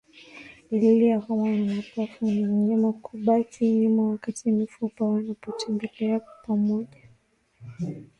Dalili ya homa ya mapafu ni mnyama kubaki nyuma wakati mifugo wanapotembea pamoja